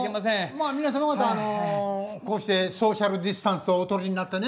まあ皆様方あのこうしてソーシャルディスタンスをお取りになってね。